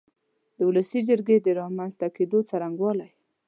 د ولسي جرګې د رامنځ ته کېدو څرنګوالی